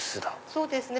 そうですね。